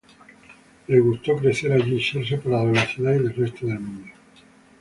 Le gustó "crecer allí, ser separado de la ciudad y del resto del mundo.